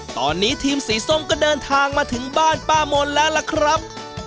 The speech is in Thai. ตอนนี้ทีมสีส้มก็เดินทางมาถึงบ้านป้ามนแล้วล่ะครับ